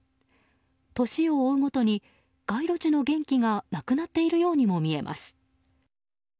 年を追うごとに、街路樹の元気がなくなっているようにも見えます。